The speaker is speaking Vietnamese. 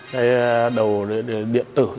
cái đồ điện tử